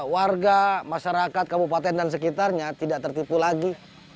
warga masyarakat kabupaten dan sekitarnya tidak tertipu lagi